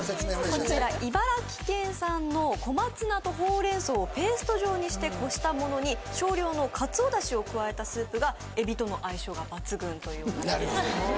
こちら茨城県産の小松菜とほうれん草をペースト状にしてこしたものに少量のカツオ出汁を加えたスープがエビとの相性が抜群ということです